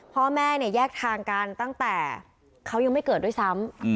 พ่อแม่เนี่ยแยกทางกันตั้งแต่เขายังไม่เกิดด้วยซ้ำ